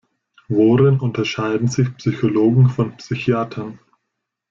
Worin unterscheiden sich Psychologen von Psychiatern?